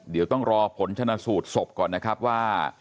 เดี๋ยวต้องรอผลชนะสูตรศพก่อนนะครับว่า